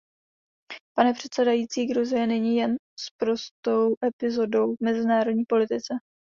Pane předsedající, Gruzie není jen prostou epizodou v mezinárodní politice.